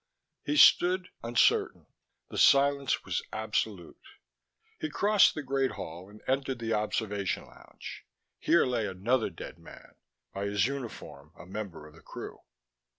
He stood uncertain. The silence was absolute. He crossed the Great Hall and entered the observation lounge. Here lay another dead man, by his uniform a member of the crew.